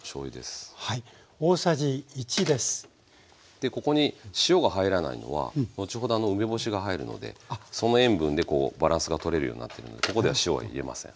でここに塩が入らないのは後ほど梅干しが入るのでその塩分でこうバランスがとれるようになってるのでここでは塩は入れません。